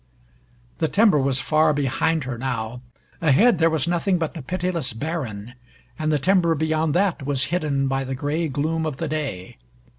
The timber was far behind her now. Ahead there was nothing but the pitiless barren, and the timber beyond that was hidden by the gray gloom of the day.